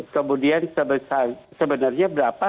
kemudian sebenarnya berapa sih orang yang berada di luar